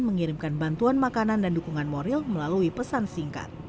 mengirimkan bantuan makanan dan dukungan moral melalui pesan singkat